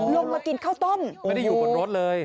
ลงมากินข้าวต้มไม่ได้อยู่บนรถเลย